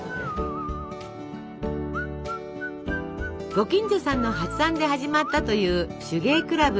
ご近所さんの発案で始まったという手芸クラブ。